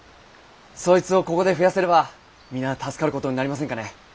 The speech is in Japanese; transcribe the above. そいつをここで増やせれば皆助かることになりませんかね。